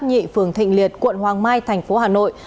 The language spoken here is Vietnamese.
nhị phường thịnh liệt quận hoàng mai thành phố hà nội